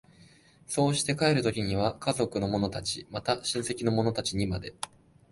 そうして帰る時には家族の者たち、また親戚の者たちにまで、